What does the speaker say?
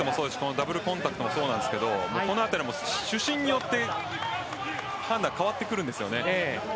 ダブルコンタクトもそうですがこのあたりも主審によって判断、変わってくるんですよね。